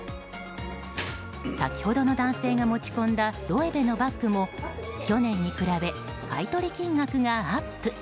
先ほどの男性が持ち込んだロエベのバッグも去年に比べ買い取り金額がアップ。